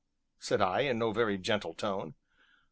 said I, in no very gentle tone.